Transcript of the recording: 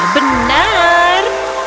oh ya benar